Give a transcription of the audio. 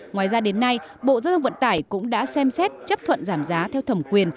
ngoài ra đến nay bộ giao thông vận tải cũng đã xem xét chấp thuận giảm giá theo thẩm quyền